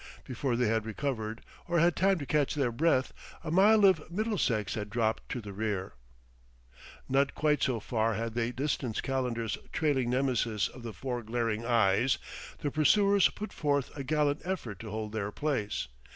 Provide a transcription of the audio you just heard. Before they had recovered, or had time to catch their breath, a mile of Middlesex had dropped to the rear. Not quite so far had they distanced Calendar's trailing Nemesis of the four glaring eyes; the pursuers put forth a gallant effort to hold their place.